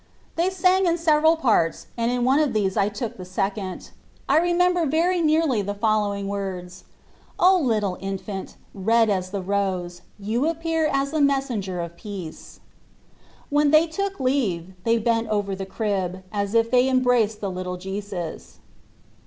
They sang in several parts, and in one of these I took the second. I remember very nearly the following words :" Oh, little infant, red as the rose, you appear as the messenger of peace." When they took leave they bent over the crib, as if they embraced the little Jesus.